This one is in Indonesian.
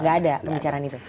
gak ada pembicaraan itu